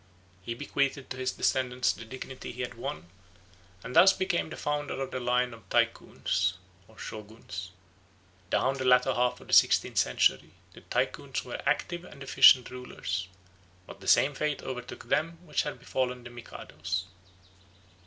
He bequeathed to his descendants the dignity he had won, and thus became the founder of the line of Tycoons. Down to the latter half of the sixteenth century the Tycoons were active and efficient rulers; but the same fate overtook them which had befallen the Mikados.